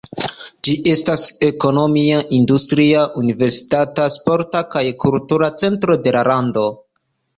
Ĝi estas ekonomia, industria, universitata, sporta kaj kultura centro de la lando.